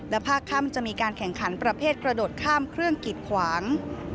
ภาคค่ำจะมีการแข่งขันประเภทกระโดดข้ามเครื่องกิดขวาง